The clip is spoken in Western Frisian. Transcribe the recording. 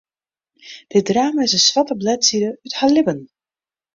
Dit drama is in swarte bledside út har libben.